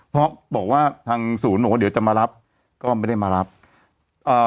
เพราะบอกว่าทางศูนย์บอกว่าเดี๋ยวจะมารับก็ไม่ได้มารับเอ่อ